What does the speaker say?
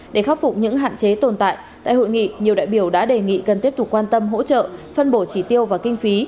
để khắc phục những hạn chế tồn tại tại hội nghị nhiều đại biểu đã đề nghị cần tiếp tục quan tâm hỗ trợ phân bổ trí tiêu và kinh phí